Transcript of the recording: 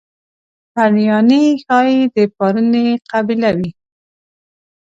پرنیاني ښایي د پارني قبیله وي.